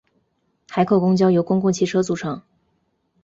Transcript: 海口公交由公共汽车组成。